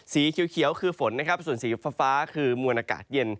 สีเขียวคือฝนนะครับส่วนสีฟ้าคือมวลอากาศเย็น